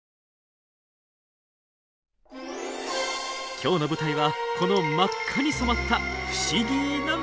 今日の舞台はこの真っ赤に染まった不思議な湖。